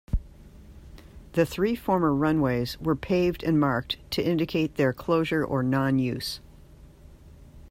The three former runways were paved and marked to indicate their closure or non-use.